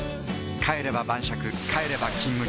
帰れば晩酌帰れば「金麦」